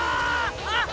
あっ！